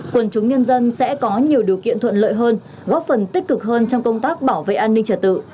quần chúng nhân dân sẽ có nhiều điều kiện thuận lợi hơn góp phần tích cực hơn trong công tác bảo vệ an ninh trật tự